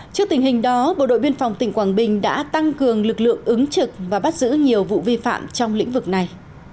trước tình hình đó bộ đội biên phòng tỉnh quảng bình đã tăng cường lực lượng ứng trực và bắt giữ nhiều vụ vi phạm trong lĩnh vực này